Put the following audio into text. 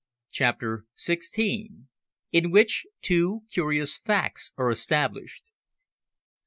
CHAPTER SIXTEEN. IN WHICH TWO CURIOUS FACTS ARE ESTABLISHED.